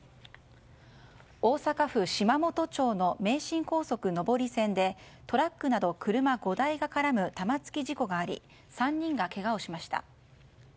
大阪府島本町の名神高速上り線でトラックなど車５台が絡む玉突き事故があり３人がけがをしました。